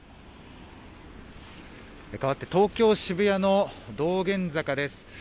かわって東京渋谷の道玄坂です。